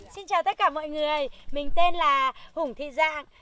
xin chào tất cả mọi người mình tên là hùng thị giạng